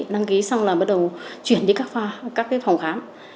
đăng ký xong là bắt đầu chuyển đi các phòng khám